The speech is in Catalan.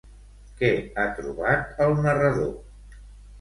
Què ha trobat el narrador?